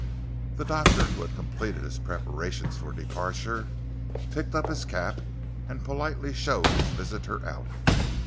The doctor, who had completed his preparations for departure, picked up his cap and politely showed his visitor out.